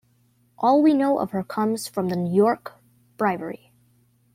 All we know of her comes from the York Breviary.